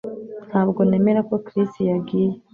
Ntabwo nemera ko Chris yagiye